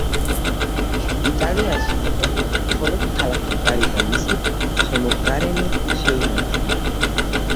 იტალიაში იმპერიამ მხოლოდ ქალაქი ბარი და მისი შემოგარენი შეინარჩუნა.